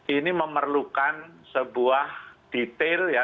ini memerlukan sebuah detail ya